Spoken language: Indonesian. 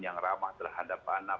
yang ramah terhadap anak